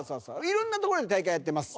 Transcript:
色んなところで大会やってます。